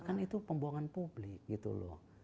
kan itu pembuangan publik gitu loh